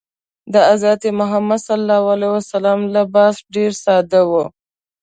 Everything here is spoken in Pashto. د حضرت محمد ﷺ لباس ډېر ساده و.